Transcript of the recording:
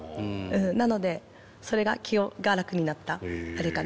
なのでそれが気が楽になったあれかな。